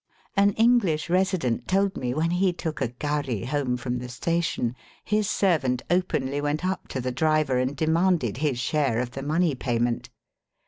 An EngUsh resident told me when he took a gharry home from the station his servant openly went up to the driver and demanded his share of the money payment.